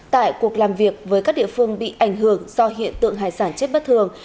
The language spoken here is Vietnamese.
tại cuộc làm việc với các địa phương bị ảnh hưởng do hiện tượng hải sản chết bất thường